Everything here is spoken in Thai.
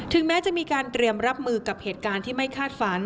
แม้จะมีการเตรียมรับมือกับเหตุการณ์ที่ไม่คาดฝัน